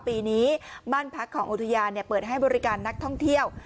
ปีนี้บ้านพักของอุทยานเปิดให้บริการนักท่องเที่ยว